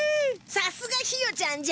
さすがひよちゃんじゃ！